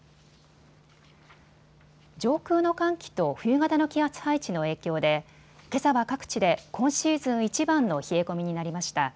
上空の寒気と冬型の気圧配置の影響でけさは各地で今シーズンいちばんの冷え込みになりました。